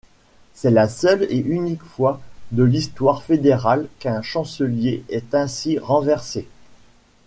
C'est la seule et unique fois de l'histoire fédérale qu'un chancelier est ainsi renversé.